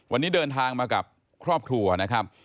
วันนี้เดินทางมากับครอบครัวนะครับ